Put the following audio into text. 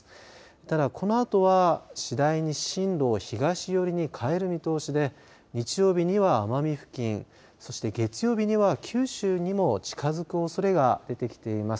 ただこのあとは次第に進路を東寄りに変える見通しで日曜日には奄美付近そして、月曜日には九州にも近づくおそれが出てきています。